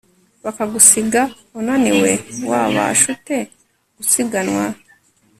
bakagusiga unaniwe wabasha ute gusiganwa